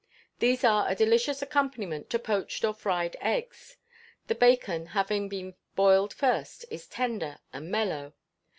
These are a delicious accompaniment to poached or fried eggs: the bacon, having been boiled first, is tender and mellow.